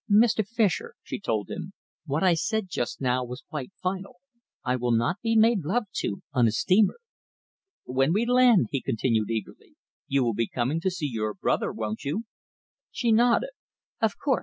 "Mr. Fischer," she told him, "what I said just now was quite final. I will not be made love to on a steamer." "When we land," he continued eagerly, "you will be coming to see your brother, won't you?" She nodded. "Of course!